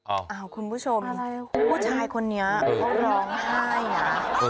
คุณผู้ชมผู้ชายคนนี้เขาร้องไห้นะ